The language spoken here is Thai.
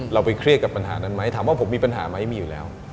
ไปเครียดกับปัญหานั้นไหมถามว่าผมมีปัญหาไหมมีอยู่แล้ว